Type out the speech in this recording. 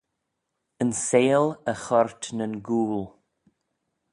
Yn seihll y choyrt nyn gooyl.